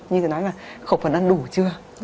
như chị nói là khẩu phần ăn đủ chưa